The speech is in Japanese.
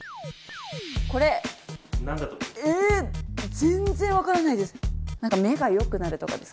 全然わからないです！